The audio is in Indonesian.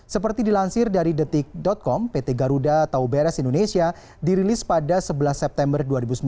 seperti dilansir dari detik com pt garuda tau beres indonesia dirilis pada sebelas september dua ribu sembilan belas